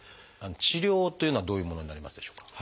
治療というのはどういうものになりますでしょうか？